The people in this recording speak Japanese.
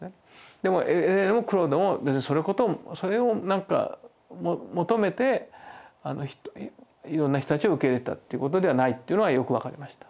でもエレーヌもクロードも別にそれを求めていろんな人たちを受け入れてたっていうことではないっていうのはよく分かりました。